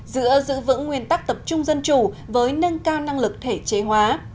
giữa giữ vững nguyên tắc tập trung dân chủ với nâng cao năng lực thể chế hóa